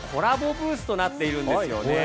ブースとなっているんですね。